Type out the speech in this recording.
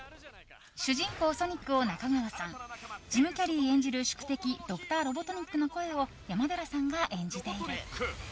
主人公ソニックを中川さんジム・キャリー演じる宿敵ドクター・ロボトニックの声を山寺さんが演じている。